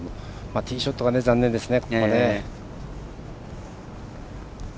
ティーショットが残念ですね。